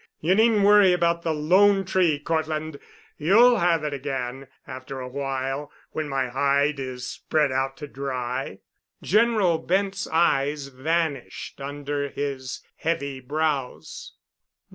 You needn't worry about the 'Lone Tree,' Cortland. You'll have it again, after a while, when my hide is spread out to dry." General Bent's eyes vanished under his heavy brows.